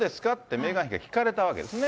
メーガン妃が聞かれたわけですね。